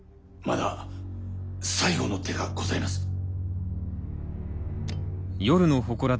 まだ最後の手がございます。